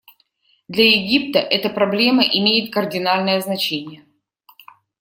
Для Египта эта проблема имеет кардинальное значение.